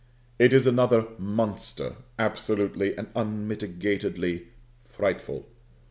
It is another monster, absolutely and unmitigatedly frightful.